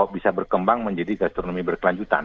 bisa berkembang menjadi gastronomi berkelanjutan